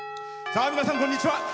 さあ皆さんこんにちは。